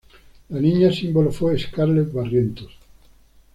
La niña símbolo fue Scarlett Barrientos.